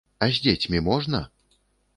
А з дзецьмі можна?